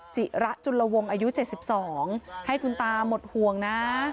จิระจุลวงอายุเจ็ดสิบสองให้คุณตาหมดห่วงน่ะ